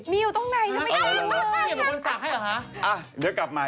มีตรงไหนทำไมจะได้นี่เป็นคนสักให้เหรอฮะ